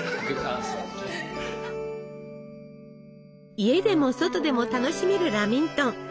家でも外でも楽しめるラミントン。